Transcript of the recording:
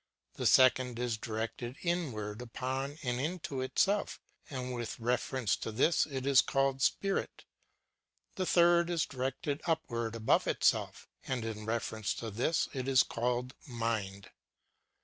The second is directed inward upon and into itself, and with refer ence to this it is called spirit. The third is directed upward above itself, and in reference to this it is called mind.